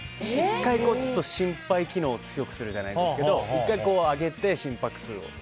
１回、心肺機能を強くするじゃないですけど１回上げて心拍数を。